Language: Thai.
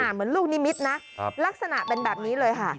เหมือนลูกนิมิตรนะลักษณะเป็นแบบนี้เลยค่ะ